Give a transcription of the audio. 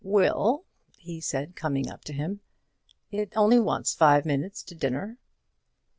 "Will," he said, coming up to him, "it only wants five minutes to dinner."